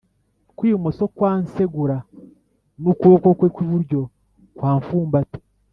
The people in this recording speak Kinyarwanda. Kw ibumoso kwansegura n ukuboko kwe kw iburyo kwamfumbata